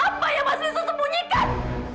apa yang mas wisnu sembunyikan